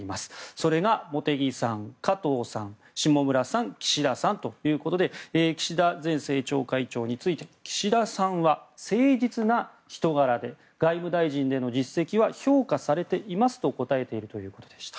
それが茂木さん、加藤さん下村さん、岸田さんということで岸田前政調会長について岸田さんは誠実な人柄で外務大臣での実績は評価されていますと答えているということでした。